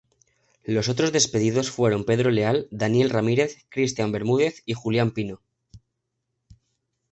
Los otros despedidos fueron Pedro Leal, Daniel Ramírez, Cristian Bermúdez y Julián Pino.